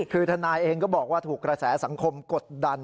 คือทนายเองก็บอกว่าถูกกระแสสังคมกดดัน